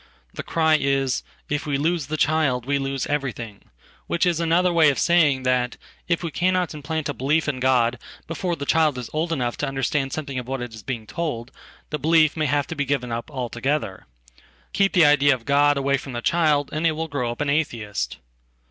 Thecry is: "If we lose the child we lose everything" — which isanother way of saying that if we cannot implant a belief in Godbefore the child is old enough to understand something of what itis being told, the belief may have to be given up altogether. Keepthe idea of God away from the child and it will grow up an Atheist.